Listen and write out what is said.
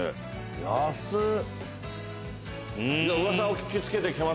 安っ。